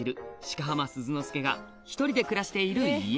鹿浜鈴之介が１人で暮らしている家